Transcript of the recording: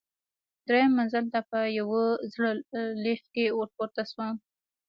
درېیم منزل ته په یوه زړه لفټ کې ورپورته شوم.